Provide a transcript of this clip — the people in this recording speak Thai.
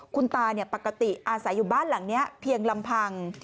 คุณตาปกติอาศัยอยู่บ้านหลังนี้เพียงลำพัง